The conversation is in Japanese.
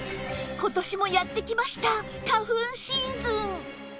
今年もやってきました花粉シーズン